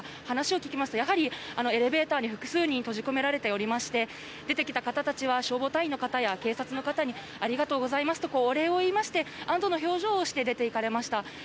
話を聞きますとやはりエレベーターに複数人閉じ込められておりまして出てきた方たちは消防隊員や警察の方にありがとうございますとお礼を言いまして安どの表情で出て行かれました。